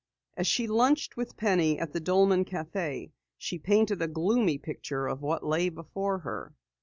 As she lunched with Penny at the Dolman Cafe, she painted a gloomy picture of what lay before her.